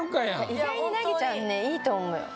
意外に凪ちゃんねいいと思うよ